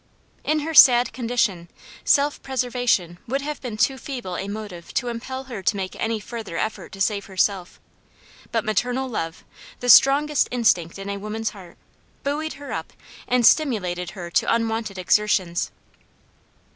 In her sad condition self preservation would have been too feeble a motive to impel her to make any further effort to save herself; but maternal love the strongest instinct in a woman's heart buoyed her up and stimulated her to unwonted exertions.